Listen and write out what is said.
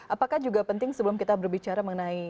apakah juga penting sebelum kita berbicara mengenai